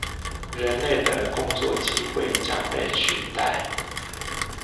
人類的工作機會將被取代？